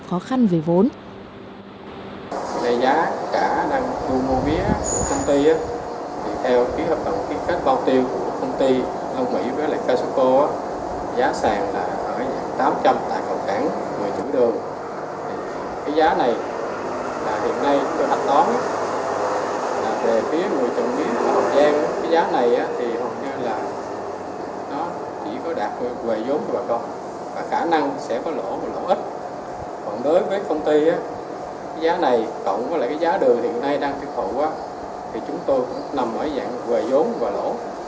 thì chúng tôi cũng nằm ở dạng về vốn và lỗ